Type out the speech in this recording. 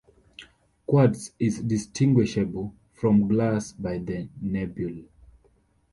Quartz is distinguishable from glass by the nebulae.